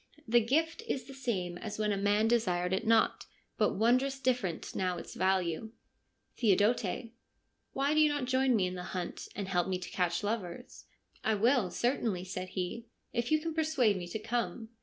The gift is the same as when a man desired it not ; but wondrous different now its value.' Theodote :' Why do you not join me in the hunt, and help me to catch lovers ?'' I will, certainly,' said he, ' if you can persuade me to come.'